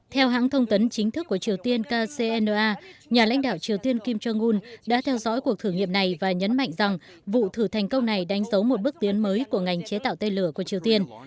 theo hãng thông tấn chính thức của triều tiên kcna nhà lãnh đạo triều tiên kim jong un đã theo dõi cuộc thử nghiệm này và nhấn mạnh rằng vụ thử thành công này đánh dấu một bước tiến mới của ngành chế tạo tên lửa của triều tiên